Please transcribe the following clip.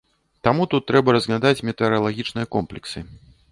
Таму тут трэба разглядаць метэаралагічныя комплексы.